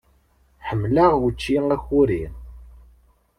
Ḥemmleɣ učči akuri.